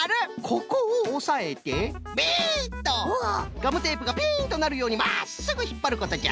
ガムテープがピンとなるようにまっすぐひっぱることじゃ。